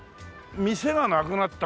店がなくなったね